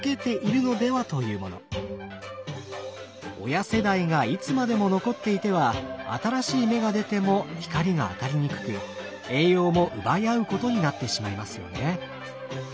親世代がいつまでも残っていては新しい芽が出ても光が当たりにくく栄養も奪い合うことになってしまいますよね。